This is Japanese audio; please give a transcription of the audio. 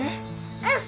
うん！